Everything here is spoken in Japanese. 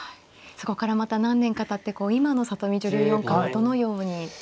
そこからまた何年かたって今の里見女流四冠をどのように。